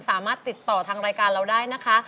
สามารถติดต่อทางรายการเราได้นะคะ